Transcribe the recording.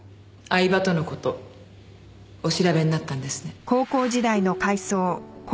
饗庭との事お調べになったんですね。